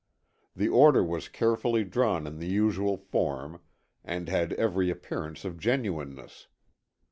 The order was carefully drawn in the usual form, and had every appearance of genuineness.